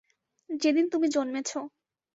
যেদিন তুমি জন্মেছ।